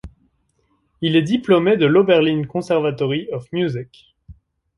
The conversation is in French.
Il est diplômé de l'Oberlin Conservatory of Music.